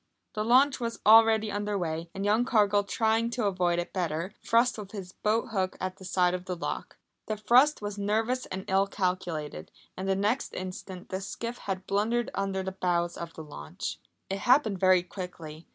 The launch was already under way, and young Cargill trying to avoid it better, thrust with his boat hook at the side of the lock. The thrust was nervous and ill calculated, and the next instant the skiff had blundered under the bows of the launch. It happened very quickly.